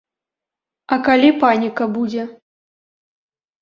А калі паніка будзе?